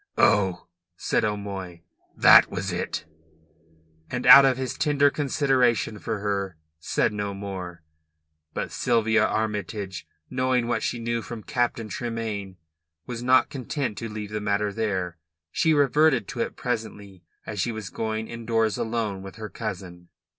"Oh!" said O'Moy, "that was it?" And out of his tender consideration for her said no more. But Sylvia Armytage, knowing what she knew from Captain Tremayne, was not content to leave the matter there. She reverted to it presently as she was going indoors alone with her cousin.